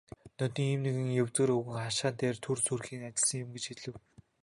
"Ноднин ийм нэг егзөр өвгөн хашаан дээр тун сүрхий ажилласан юм" гэж хэлэв.